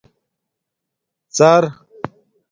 ڎر